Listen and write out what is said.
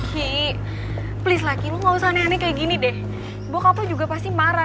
ki please lah ki lo gausah aneh aneh kayak gini deh bokap lo juga pasti marah